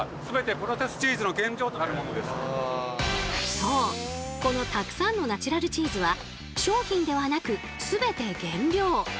そうこのたくさんのナチュラルチーズは商品ではなく全て原料。